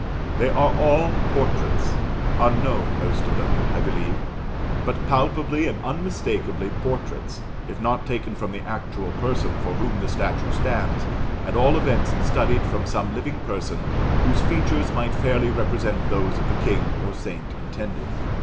They are all portraits unknown, most of them, I believe, but palpably and unmistakeably portraits, if not taken from the actual person for whom the statue stands, at all events studied from some living person whose features might fairly represent those of the king or saint intended.